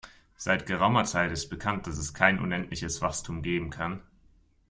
Seit geraumer Zeit ist bekannt, dass es kein unendliches Wachstum geben kann.